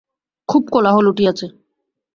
খুব কোলাহল উঠিয়াছে।